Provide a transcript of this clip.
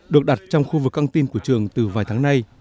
được đặt trong khu vực căng tin của trường từ vài tháng nay